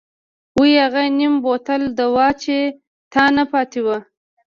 وۍ اغه نيم بوتل دوا چې تانه پاتې وه.